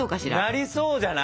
なりそうじゃない？